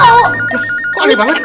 kok aneh banget